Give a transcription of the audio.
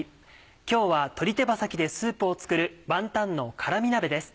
今日は鶏手羽先でスープを作る「ワンタンの辛み鍋」です。